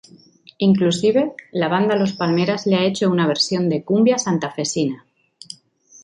Inclusive, la banda Los Palmeras le ha hecho una versión de cumbia-santafesina.